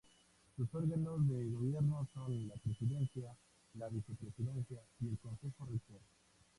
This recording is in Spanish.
Sus órganos de gobierno son la Presidencia, la Vicepresidencia y el Consejo Rector.